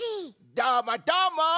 どーもどーも！